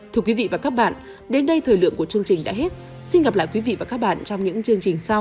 thưa quý vị và các bạn đến đây thời lượng của chương trình đã hết xin gặp lại quý vị và các bạn trong những chương trình sau